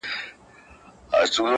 پايزېب به دركړمه د سترگو توره